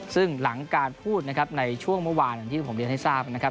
ซึ่งหลังการพูดในช่วงเมื่อวานที่ผมเรียนให้ทราบ